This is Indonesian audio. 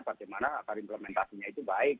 bagaimana akar implementasinya itu baik